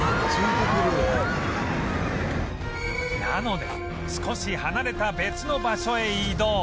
なので少し離れた別の場所へ移動